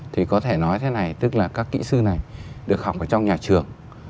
thì có thể nói thế này tức là các kỹ sư này được học ở trong nhà truyền thống